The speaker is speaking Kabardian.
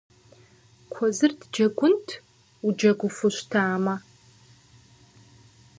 Куэзыр дыджэгунт, уджэгуфу щытамэ.